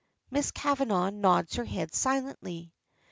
Miss Kavanagh nods her head silently.